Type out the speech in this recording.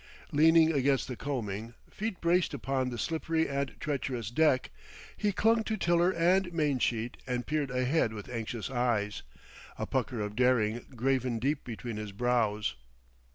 Leaning against the combing, feet braced upon the slippery and treacherous deck, he clung to tiller and mainsheet and peered ahead with anxious eyes, a pucker of daring graven deep between his brows.